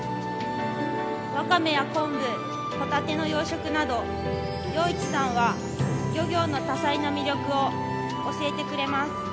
ワカメやコンブホタテの養殖など陽一さんは漁業の多彩な魅力を教えてくれます。